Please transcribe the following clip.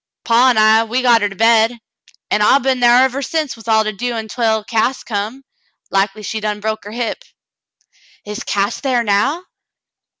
Paw an* I, we got her to bed, an' I been thar ever since with all to do ontwell Cass come. Likely she done broke her hip." "Is Cass thar now